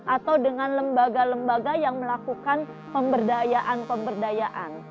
atau dengan lembaga lembaga yang melakukan pemberdayaan pemberdayaan